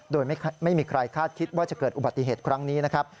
โดยไม่มีใครคาดคิดว่าจะเกิดอุบัติเหตุครั้งนี้นะครับ